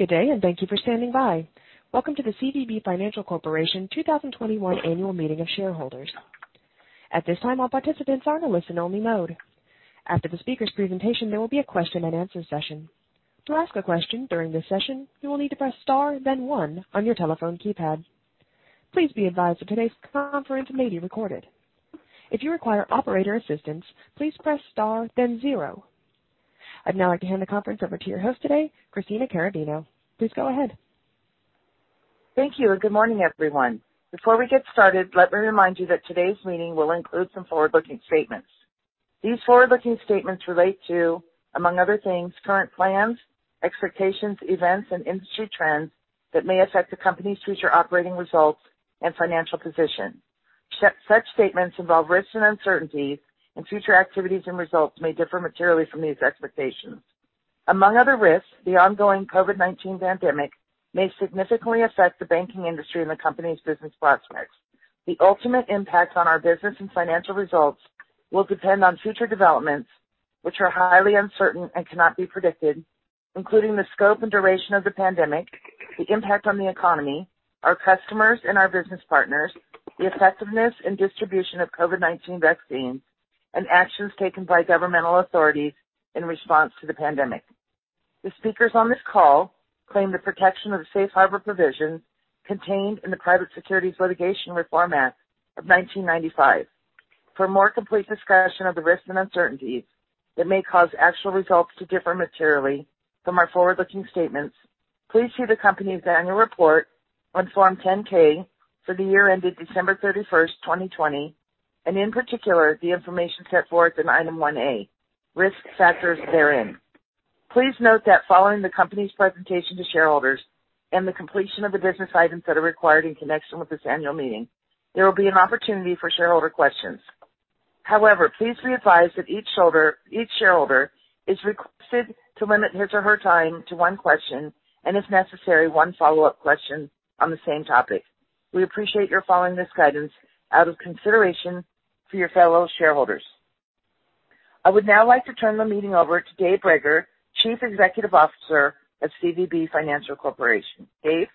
Good day, and thank you for standing by. Welcome to the CVB Financial Corporation 2021 annual meeting of shareholders. At this time, all participants are in a listen-only mode. After the speaker's presentation, there will be a question-and-answer session. To ask a question during the session, you would need to press star and then one on your telephone keypad. Please be advised that today's conference will be recorded. If you require operator assistance, please press star then zero. I'd now like to hand the conference over to your host today, Christina Carrabino. Please go ahead. Thank you, and good morning, everyone. Before we get started, let me remind you that today's meeting will include some forward-looking statements. These forward-looking statements relate to, among other things, current plans, expectations, events, and industry trends that may affect the company's future operating results and financial position. Such statements involve risks and uncertainties, and future activities and results may differ materially from these expectations. Among other risks, the ongoing COVID-19 pandemic may significantly affect the banking industry and the company's business prospects. The ultimate impact on our business and financial results will depend on future developments, which are highly uncertain and cannot be predicted, including the scope and duration of the pandemic, the impact on the economy, our customers, and our business partners, the effectiveness and distribution of COVID-19 vaccines, and actions taken by governmental authorities in response to the pandemic. The speakers on this call claim the protection of the safe harbor provisions contained in the Private Securities Litigation Reform Act of 1995. For a more complete discussion of the risks and uncertainties that may cause actual results to differ materially from our forward-looking statements, please view the company's annual report on Form 10-K for the year ended December 31st, 2020, and in particular, the information set forth in Item 1A, Risk Factors therein. Please note that following the company's presentation to shareholders and the completion of the business items that are required in connection with this annual meeting, there will be an opportunity for shareholder questions. Please be advised that each shareholder is requested to limit his or her time to one question, and if necessary, one follow-up question on the same topic. We appreciate your following this guidance out of consideration for your fellow shareholders. I would now like to turn the meeting over to Dave Brager, Chief Executive Officer of CVB Financial Corporation. Dave?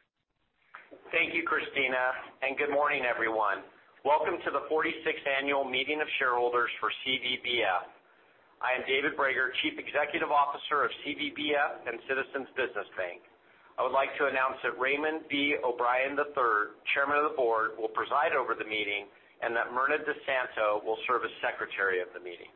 Thank you, Christina, and good morning, everyone. Welcome to the 46th annual meeting of shareholders for CVBF. I am David Brager, Chief Executive Officer of CVBF and Citizens Business Bank. I would like to announce that Raymond V. O'Brien III, Chairman of the Board, will preside over the meeting and that Myrna DiSanto will serve as Secretary of the meeting.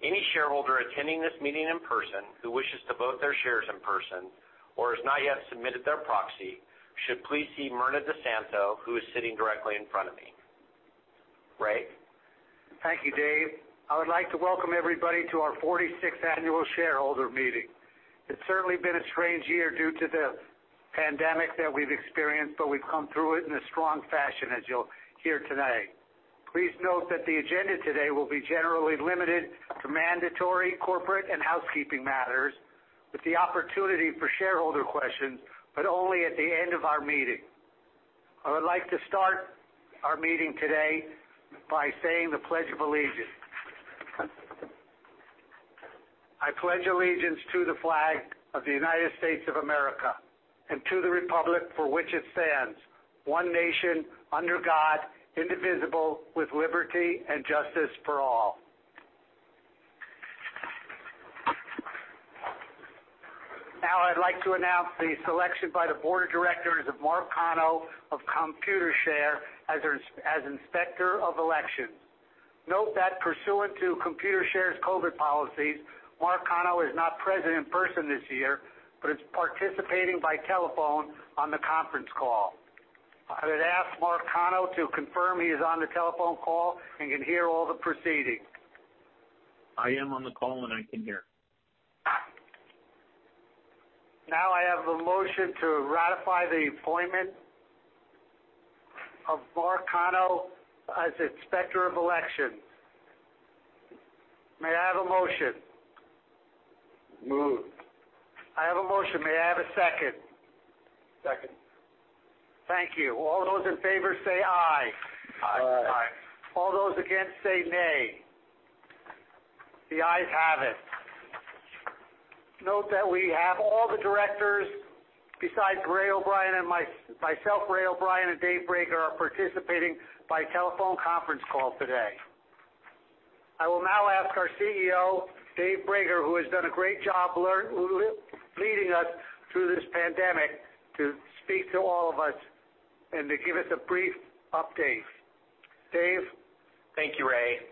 Any shareholder attending this meeting in person who wishes to vote their shares in person or has not yet submitted their proxy should please see Myrna DiSanto, who is sitting directly in front of me. Ray. Thank you, Dave. I would like to welcome everybody to our 46th annual shareholder meeting. It's certainly been a strange year due to the pandemic that we've experienced, but we've come through it in a strong fashion, as you'll hear today. Please note that the agenda today will be generally limited to mandatory corporate and housekeeping matters with the opportunity for shareholder questions, but only at the end of our meeting. I would like to start our meeting today by saying the Pledge of Allegiance. I pledge allegiance to the flag of the United States of America and to the Republic for which it stands, one nation under God, indivisible, with liberty and justice for all. I'd like to announce the selection by the Board of Directors of Mark Cano of Computershare as Inspector of Elections. Note that pursuant to Computershare's COVID policy, Mark Cano is not present in person this year but is participating by telephone on the conference call. I would ask Mark Cano to confirm he is on the telephone call and can hear all the proceedings. I am on the call, and I can hear. I have the motion to ratify the appointment of Mark Cano as Inspector of Elections. May I have a motion? Moved. I have a motion. May I have a second? Second. Thank you. All those in favor say aye. Aye. Aye. All those against, say nay. The ayes have it. Note that we have all the directors besides Ray O'Brien and myself. Ray O'Brien and Dave Brager are participating by telephone conference call today. I will now ask our CEO, Dave Brager, who has done a great job leading us through this pandemic, to speak to all of us and to give us a brief update. Dave? Thank you, Ray.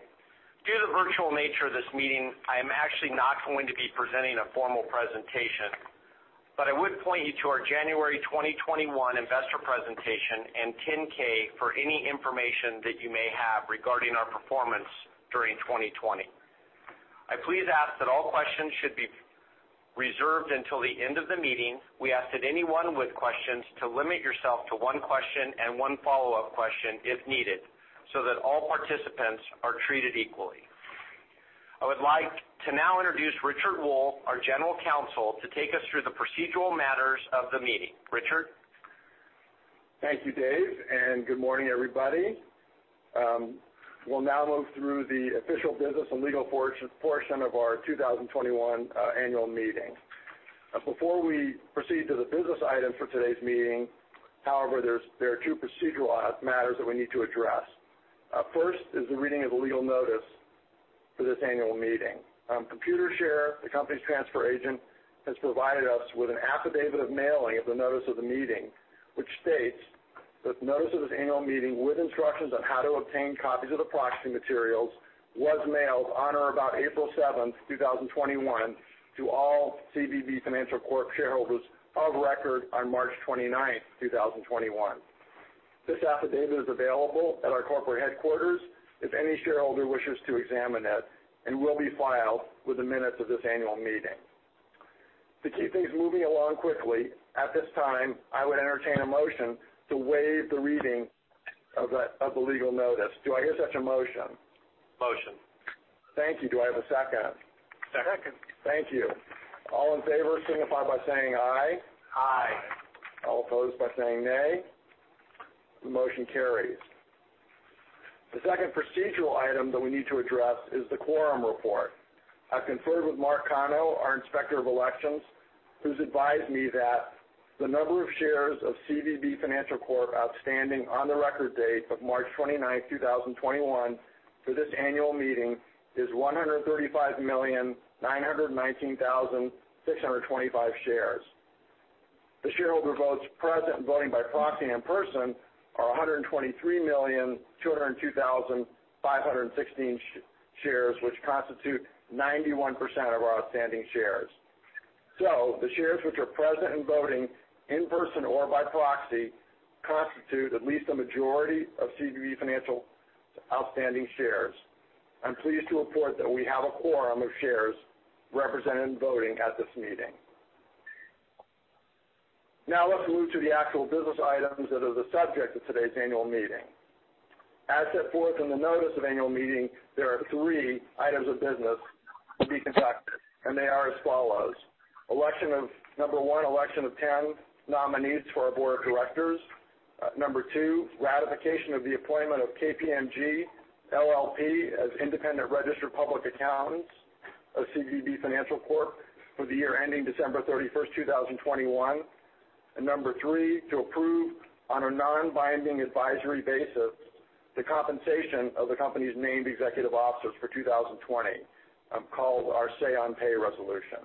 Due to the virtual nature of this meeting, I'm actually not going to be presenting a formal presentation, but I would point you to our January 2021 investor presentation and 10-K for any information that you may have regarding our performance during 2020. I please ask that all questions should be reserved until the end of the meeting. We ask that anyone with questions to limit yourself to one question and one follow-up question if needed so that all participants are treated equally. I would like to now introduce Richard Wohl, our General Counsel, to take us through the procedural matters of the meeting. Richard? Thank you, Dave, and good morning, everybody. We'll now move through the official business and legal portion of our 2021 annual meeting. Before we proceed to the business items for today's meeting, however, there are two procedural matters that we need to address. First is the reading of the legal notice for this annual meeting. Computershare, the company's transfer agent, has provided us with an affidavit of mailing of the notice of the meeting, which states that the notice of this annual meeting, with instructions on how to obtain copies of the proxy materials, was mailed on or about April 7th, 2021, to all CVB Financial Corp shareholders of record on March 29th, 2021. This affidavit is available at our corporate headquarters if any shareholder wishes to examine it and will be filed with the minutes of this annual meeting. To keep things moving along quickly, at this time, I would entertain a motion to waive the reading of the legal notice. Do I hear such a motion? Motion. Thank you. Do I have a second? Second. Thank you. All in favor, signify by saying aye. Aye. All opposed by saying nay. The motion carries. The second procedural item that we need to address is the quorum report. I've conferred with Mark Cano, our Inspector of Elections, who's advised me that the number of shares of CVB Financial Corp outstanding on the record date of March 29th, 2021, for this annual meeting is 135,919,625 shares. The shareholder votes present and voting by proxy and in person are 123,202,516 shares, which constitute 91% of our outstanding shares. The shares which are present and voting in person or by proxy constitute at least a majority of CVB Financial's outstanding shares. I'm pleased to report that we have a quorum of shares represented and voting at this meeting. Let's move to the actual business items that are the subject of today's annual meeting. As set forth in the notice of annual meeting, there are three items of business to be conducted, and they are as follows. Number one, election of 10 nominees for our Board of Directors. Number two, ratification of the appointment of KPMG LLP as independent registered public accountants of CVB Financial Corp for the year ending December 31st, 2021. Number three, to approve on a non-binding advisory basis the compensation of the company's named executive officers for 2020, called our Say on Pay resolution.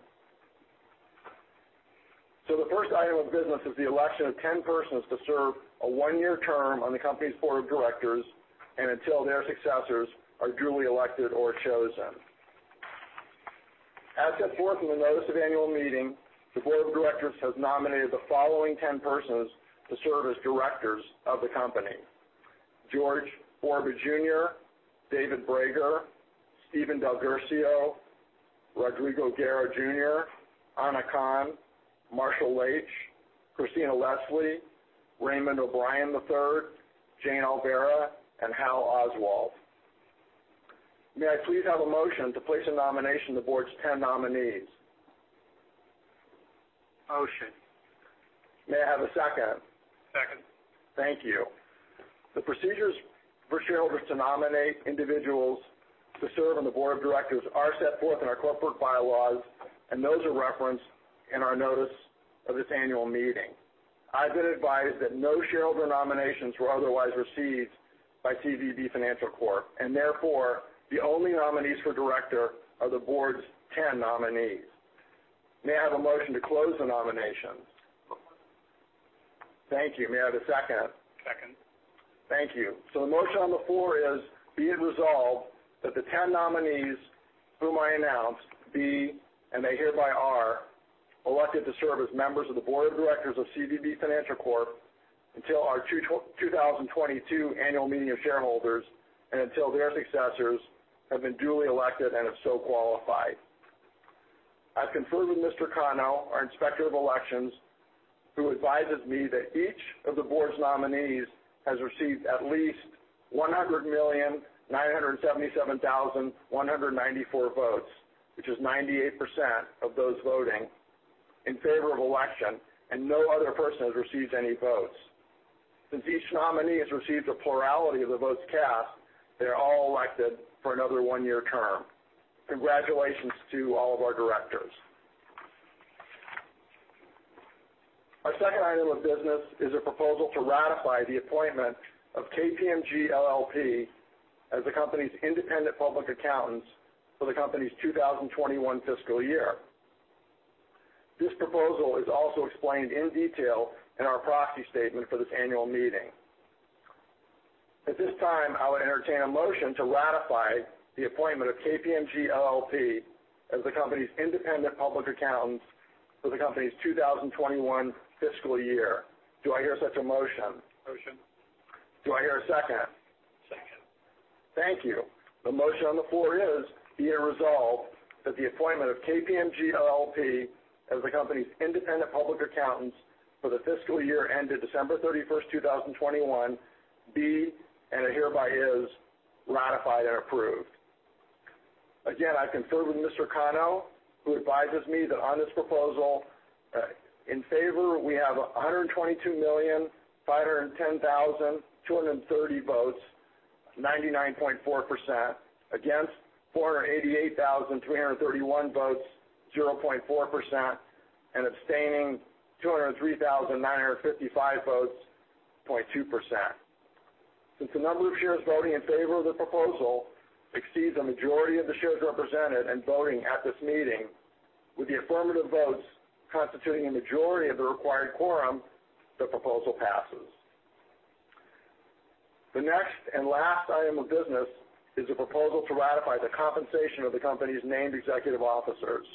The first item of business is the election of 10 persons to serve a one-year term on the company's Board of Directors and until their successors are duly elected or chosen. As set forth in the notice of annual meeting, the Board of Directors has nominated the following 10 persons to serve as directors of the company. George Borba Jr., David Brager, Stephen Del Guercio, Rodrigo Guerra Jr., Anna Kan, Marshall Laitsch, Kristina Leslie, Raymond O'Brien III, Jane Olvera, and Hal Oswalt. May I please have a motion to place in nomination the Board's 10 nominees? Motion. May I have a second? Second. Thank you. The procedures for shareholders to nominate individuals to serve on the Board of Directors are set forth in our corporate bylaws, and those are referenced in our notice of this annual meeting. I've been advised that no shareholder nominations were otherwise received by CVB Financial Corp, and therefore, the only nominees for director are the Board's 10 nominees. May I have a motion to close the nominations? Motion. Thank you. May I have a second? Second. Thank you. The motion on the floor is, be it resolved that the 10 nominees whom I announced be, and they hereby are, elected to serve as members of the Board of Directors of CVB Financial Corp until our 2022 annual meeting of shareholders and until their successors have been duly elected and are so qualified. I've conferred with Mr. Cano, our Inspector of Elections, who advises me that each of the Board's nominees has received at least 100,977,194 votes, which is 98% of those voting in favor of election, and no other person has received any votes. Since each nominee has received a plurality of the votes cast, they are all elected for another one-year term. Congratulations to all of our directors. Our second item of business is a proposal to ratify the appointment of KPMG LLP as the company's independent public accountants for the company's 2021 fiscal year. This proposal is also explained in detail in our proxy statement for this annual meeting. At this time, I would entertain a motion to ratify the appointment of KPMG LLP as the company's independent public accountants for the company's 2021 fiscal year. Do I hear such a motion? Motion. Do I hear a second? Second. Thank you. The motion on the floor is, be it resolved that the appointment of KPMG LLP as the company's independent public accountants for the fiscal year ended December 31st, 2021, be and hereby is ratified and approved. Again, I confer with Mr. Cano, who advises me that on this proposal, in favor, we have 122,510,230 votes, 99.4%. Against, 488,331 votes, 0.4%. Abstaining, 203,955 votes, 0.2%. Since the number of shares voting in favor of the proposal exceeds a majority of the shares represented and voting at this meeting, with the affirmative votes constituting a majority of the required quorum, the proposal passes. The next and last item of business is a proposal to ratify the compensation of the company's named executive officers.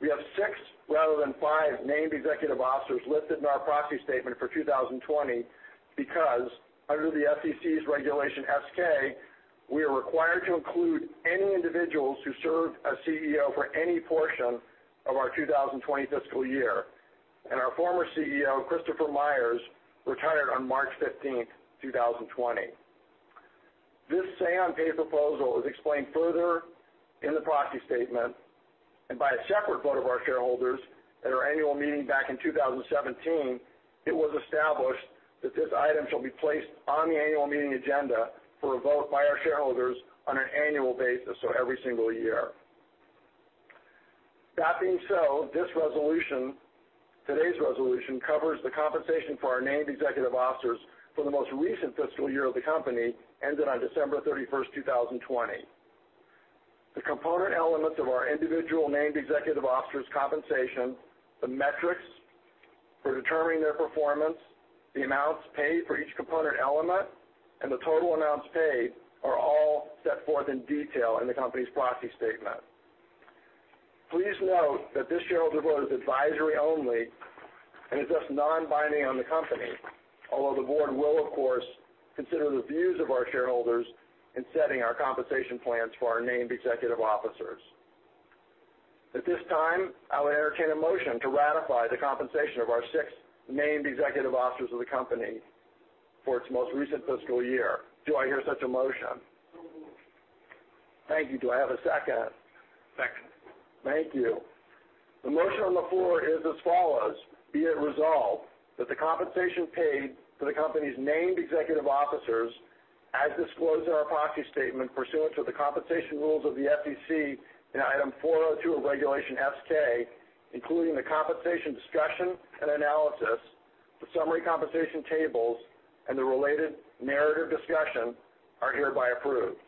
We have six rather than five named executive officers listed in our proxy statement for 2020 because under the SEC's Regulation S-K, we are required to include any individuals who served as CEO for any portion of our 2020 fiscal year. Our former CEO, Christopher Myers, retired on March 15th, 2020. This Say on Pay proposal is explained further in the proxy statement and by a separate vote of our shareholders at our annual meeting back in 2017, it was established that this item shall be placed on the annual meeting agenda for a vote by our shareholders on an annual basis, so every single year. That being so, today's resolution covers the compensation for our named executive officers for the most recent fiscal year of the company ended on December 31st, 2020. The component elements of our individual named executive officers' compensation, the metrics for determining their performance, the amounts paid for each component element, and the total amounts paid are all set forth in detail in the company's proxy statement. Please note that this shareholder vote is advisory only and is just non-binding on the company. Although the Board will, of course, consider the views of our shareholders in setting our compensation plans for our named executive officers. At this time, I will entertain a motion to ratify the compensation of our six named executive officers of the company for its most recent fiscal year. Do I hear such a motion? Moved. Thank you. Do I have a second? Second. Thank you. The motion on the floor is as follows. Be it resolved that the compensation paid to the company's named executive officers, as disclosed in our proxy statement pursuant to the compensation rules of the SEC in Item 402 of Regulation S-K, including the compensation discussion and analysis, the summary compensation tables, and the related narrative discussion, are hereby approved.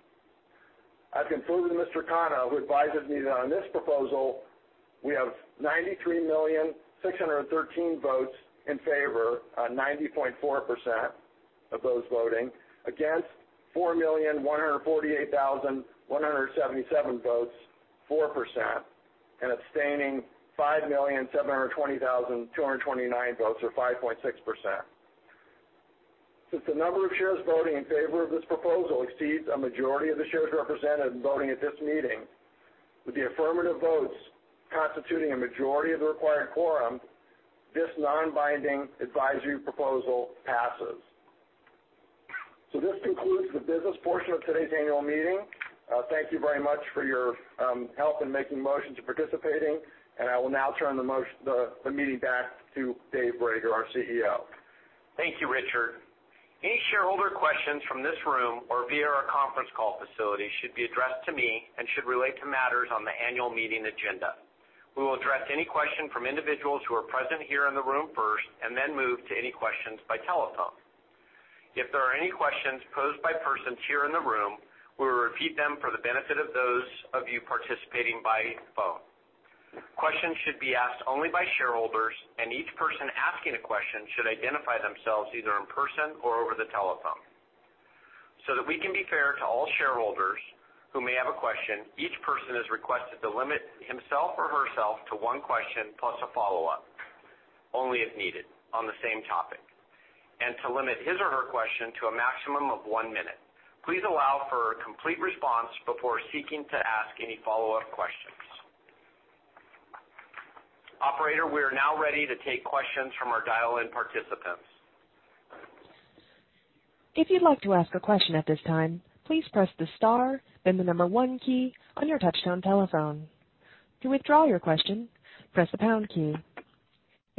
I confer with Mr. Cano, who advises me that on this proposal, we have 93,613,000 votes in favor, 90.4% of those voting. Against, 4,148,177 votes, 4%. Abstaining, 5,720,229 votes or 5.6%. Since the number of shares voting in favor of this proposal exceeds a majority of the shares represented in voting at this meeting, with the affirmative votes constituting a majority of the required quorum, this non-binding advisory proposal passes. This concludes the business portion of today's annual meeting. Thank you very much for your help in making motions participating. I will now turn the meeting back to Dave Brager, our CEO. Thank you, Richard. Any shareholder questions from this room or via our conference call facility should be addressed to me and should relate to matters on the annual meeting agenda. We will address any question from individuals who are present here in the room first, and then move to any questions by telephone. If there are any questions posed by persons here in the room, we will repeat them for the benefit of those of you participating by phone. Questions should be asked only by shareholders, and each person asking a question should identify themselves either in person or over the telephone. That we can be fair to all shareholders who may have a question, each person is requested to limit himself or herself to one question plus a follow-up, only if needed, on the same topic, and to limit his or her question to a maximum of one minute. Please allow for a complete response before seeking to ask any follow-up questions. Operator, we are now ready to take questions from our dial-in participants. If you'd like to ask a question at this time, please press the star then the number one key on your touch-tone telephone. To withdraw your question, press the pound key.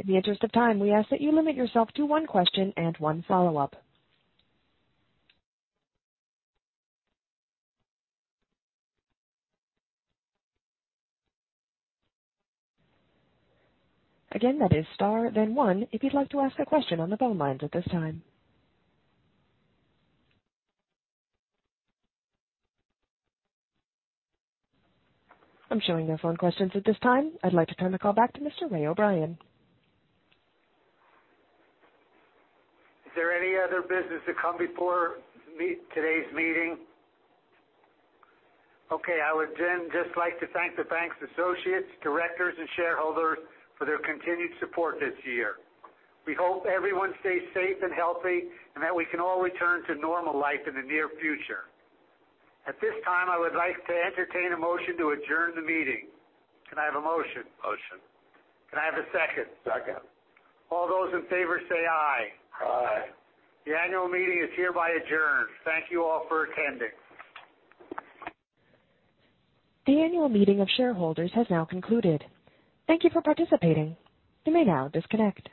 In the interest of time, we ask that you limit yourself to one question and one follow-up. Again, that is star then one if you'd like to ask a question on the phone lines at this time. I'm showing no phone questions at this time. I'd like to turn the call back to Mr. O'Brien. Is there any other business to come before today's meeting? I would then just like to thank the Bank's associates, directors, and shareholders for their continued support this year. We hope everyone stays safe and healthy and that we can all return to normal life in the near future. At this time, I would like to entertain a motion to adjourn the meeting. Can I have a motion? Motion. Can I have a second? Second. All those in favor say aye. Aye. The annual meeting is hereby adjourned. Thank you all for attending. The annual meeting of shareholders has now concluded. Thank you for participating. You may now disconnect.